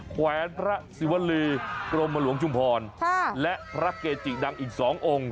แขวนพระศิวรีกรมหลวงชุมพรและพระเกจิดังอีก๒องค์